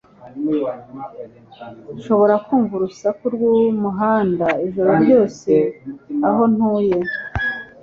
Nshobora kumva urusaku rwumuhanda ijoro ryose aho ntuye.